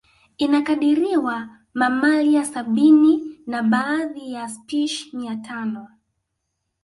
Inakadiriwa mamalia sabini na baadhi ya spishi mia tano